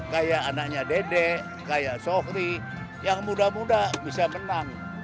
kayak anaknya dede kayak sofri yang muda muda bisa menang